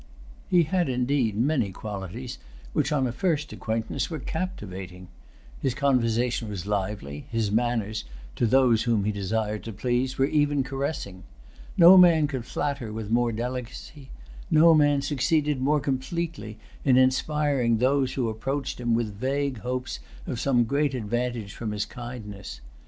He had indeed many qualities which, on a first acquaintance, were captivating. His conversation was lively; his manners, to those whom he desired to please, were even caressing. No man could flatter with more delicacy. No man succeeded more completely in inspiring those who approached him with vague hopes of some great advantage from his kindness.